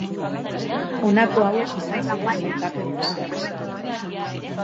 Honako hauek izan ziren sailkapen orokorrak.